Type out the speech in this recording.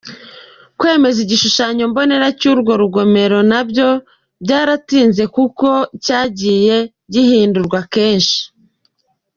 Kwemeza igishushanyo mbonera cy’urwo rugomero na byo byaratinze kuko cyagiye gihindurwa kenshi.